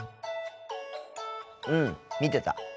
うん見てた。